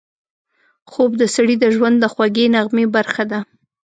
خوب د سړي د ژوند د خوږې نغمې برخه ده